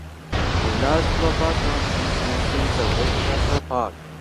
A large proportion of this is within the Whanganui National Park.